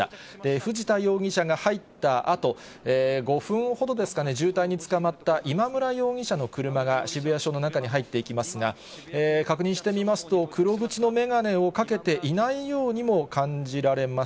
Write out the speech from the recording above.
藤田容疑者が入ったあと、５分ほどですかね、渋滞につかまった今村容疑者の車が渋谷署の中に入っていきますが、確認してみますと、黒縁の眼鏡をかけていないようにも感じられます。